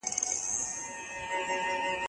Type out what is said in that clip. مرګي پناه کړل ښکلي ښکلي صورتونه